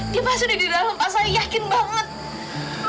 dia pas sudah di dalam pak saya yakin banget